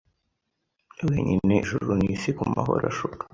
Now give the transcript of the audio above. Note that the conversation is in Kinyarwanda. wenyineIjuru nisi kumahoro ashuka